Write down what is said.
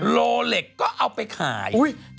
โลเหล็กก็เอาไปขาย